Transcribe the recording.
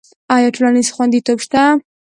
آیا ټولنیز خوندیتوب شته؟